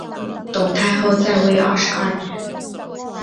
董太后在位二十二年。